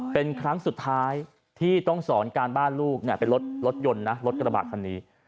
เป็นครั้งสุดท้ายที่ต้องสอนการบ้านลูกเป็นรถยนต์นะรถกระบาดคันนี้